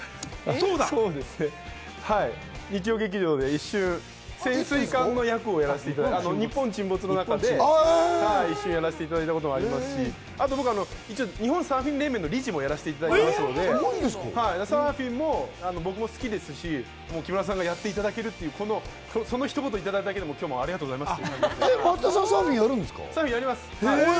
そうですね、『日曜劇場』で潜水艇の乗組員役をやらせていただいて、『日本沈没』の中で、一瞬やらせていただいたこともありますし、あと僕は日本サーフィン連盟の理事もやらせていただいているので、サーフィンも僕も好きですし、木村さんにやっていただけるという、その一言をいただいただけで今日はありがとうございます。